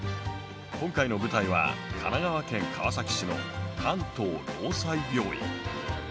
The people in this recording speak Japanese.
今回の舞台は神奈川県川崎市の関東労災病院。